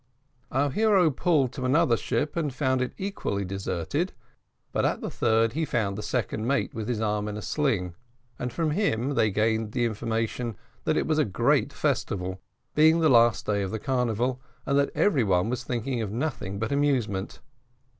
Our hero pulled to another ship, and found it equally deserted; but at the third he found the second mate, with his arm in a sling, and from him they gained the information that it was a great festival, being the last day of the carnival; and that every one was thinking of nothing but amusement.